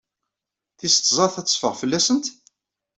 Tis tẓat ad teffeɣ fell-asent?